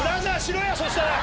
そしたら！